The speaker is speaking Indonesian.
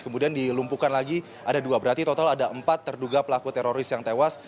kemudian dilumpuhkan lagi ada dua berarti total ada empat terduga pelaku teroris yang tewas